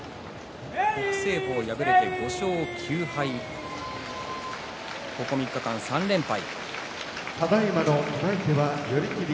北青鵬、敗れて５勝９敗ここ３日間３連敗。